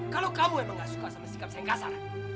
kalau kamu emang gak suka sama sikap saya yang kasar